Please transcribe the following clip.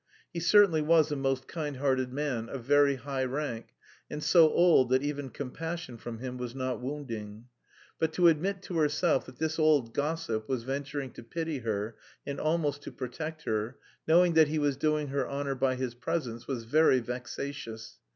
He certainly was a most kind hearted man, of very high rank, and so old that even compassion from him was not wounding. But to admit to herself that this old gossip was venturing to pity her and almost to protect her, knowing that he was doing her honour by his presence, was very vexatious.